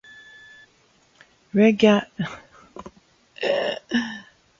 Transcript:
Rezgali, es dzirdēju, ka tu taisoties mirt?